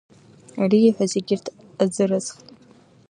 Ари ииҳәаз егьырҭ азыразхт…